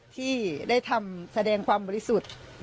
ที่ได้ทำแสดงความบริสุทธิ์